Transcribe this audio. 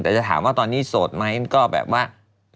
แต่จะถามว่าตอนนี้โสดไหมก็แบบว่า